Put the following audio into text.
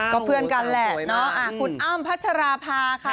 ก็เพื่อนกันแหละเนาะคุณอ้ำพัชราภาค่ะ